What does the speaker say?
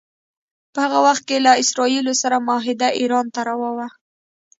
په هغه وخت کې له اسراییلو سره معاهده ایران ته روا وه.